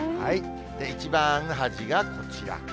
一番端がこちら。